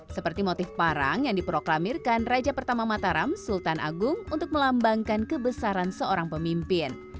seperti motif parang yang diproklamirkan raja pertama mataram sultan agung untuk melambangkan kebesaran seorang pemimpin